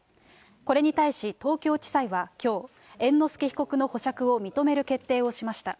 これに対し、東京地裁はきょう、猿之助被告の保釈を認める決定をしました。